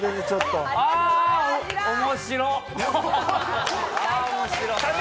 あ面白い！